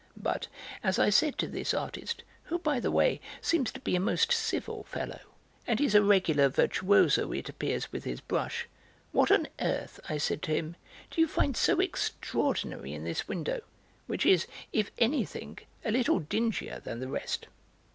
But, as I said to this artist, who, by the way, seems to be a most civil fellow, and is a regular virtuoso, it appears, with his brush; what on earth, I said to him, do you find so extraordinary in this window, which is, if anything, a little dingier than the rest?"